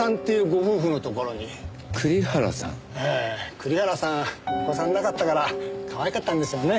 栗原さんお子さんいなかったからかわいかったんでしょうね。